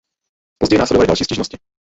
Později následovaly další stížnosti.